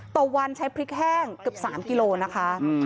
ต่อวันใช้พริกแห้งเกือบ๓กิโลนะคะ